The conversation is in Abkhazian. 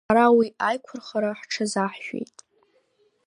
Ҳара уи аиқәырхара ҳҽазаҳшәеит.